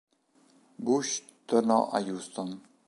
Bush tornò a Houston.